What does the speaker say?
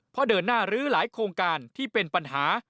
เพราะเดินหน้ารื้อหลายโครงการที่เป็นปัญหา